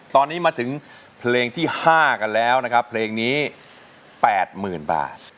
ตอนนี้มาถึงเพลงที่ห้ากันแล้วนะคะเพลงนี้แปดหมื่นบาท